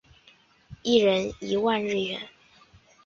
一人一万日元